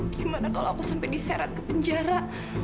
gimana kalau aku sampai diseret ke penjara